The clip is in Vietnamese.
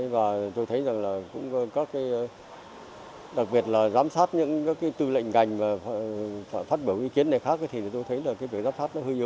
và tôi thấy rằng là cũng các cái đặc biệt là giám sát những các cái tư lệnh ngành phát biểu ý kiến này khác thì tôi thấy là cái việc giám sát nó hơi nhiều